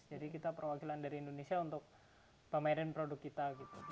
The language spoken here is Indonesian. jadi kita perwakilan dari indonesia untuk pameran produk kita